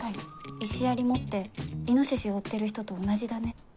石槍持ってイノシシを追ってる人と同じだね。